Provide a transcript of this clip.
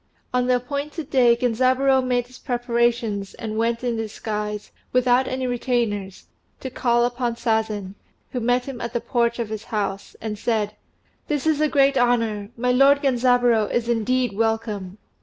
On the appointed day Genzaburô made his preparations, and went in disguise, without any retainers, to call upon Sazen, who met him at the porch of his house, and said, "This is a great honour! My lord Genzaburô is indeed welcome.